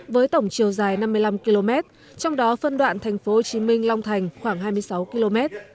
hai nghìn một mươi sáu với tổng chiều dài năm mươi năm km trong đó phân đoạn tp hcm long thành khoảng hai mươi sáu km